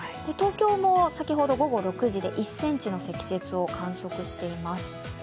東京も先ほど午後６時で１ｃｍの積雪を観測しています。